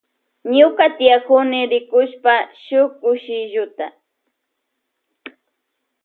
Ñuka tiyakuni rkushp shuk kushilluta.